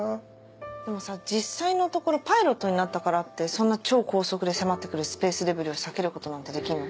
でもさ実際のところパイロットになったからってそんな超高速で迫ってくるスペースデブリを避けることなんてできるの？